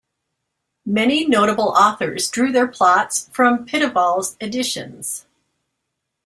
Many notable authors drew their plots from Pitaval's editions.